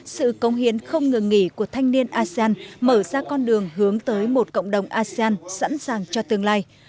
sự công hiến không ngừng nghỉ của thanh niên asean mở ra con đường hướng tới một cộng đồng asean sẵn sàng cho tương lai